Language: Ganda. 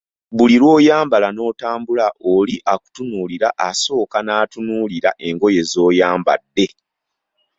Buli lw‘oyambala n‘otambula, oli akutunuulira, asooka n‘atunuulira engoye z‘oyambadde.